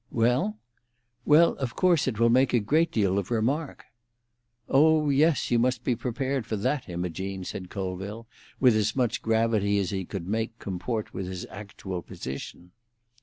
"Well?" "Well, of course it will make a great deal of remark." "Oh yes; you must be prepared for that, Imogene," said Colville, with as much gravity as he could make comport with his actual position.